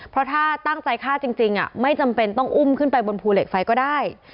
เพราะถ้าตั้งใจฆ่าจริงไม่จำเป็นต้องอุ้มขึ้นไปบนภูเหล็กไฟก็ได้